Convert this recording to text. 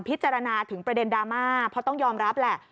พิจารณาถึงประเด็นดราม่าเพราะต้องยอมรับแหละ